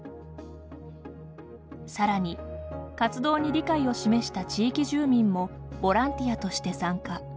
さらに活動に理解を示した地域住民もボランティアとして参加。